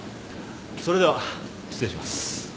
それでは失礼します。